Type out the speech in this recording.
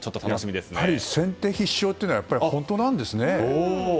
やっぱり先手必勝というのは本当なんですね。